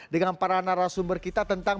dengan para narasumber kita tentang